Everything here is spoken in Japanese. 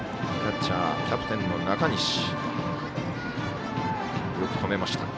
キャッチャー、キャプテンの中西。